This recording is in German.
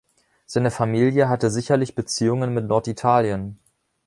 Seine Familie hatte sicherlich Beziehungen mit Norditalien.